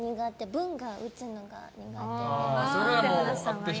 文を打つのが苦手。